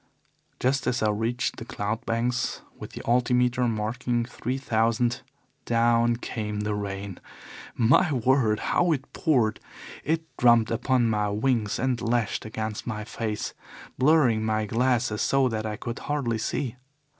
Just as I reached the cloud banks, with the altimeter marking three thousand, down came the rain. My word, how it poured! It drummed upon my wings and lashed against my face, blurring my glasses so that I could hardly see.